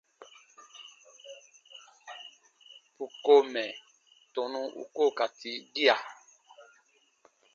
Bù ko mɛ̀ tɔnu u koo ka tii gia.